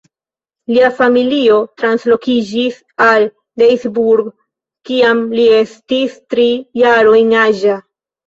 Lia familio translokiĝis al Duisburg kiam li estis tri jarojn aĝa.